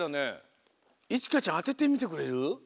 いちかちゃんあててみてくれる？